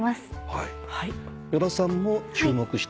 はい。